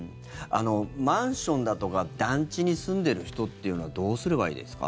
マンションだとか団地に住んでる人っていうのはどうすればいいですか。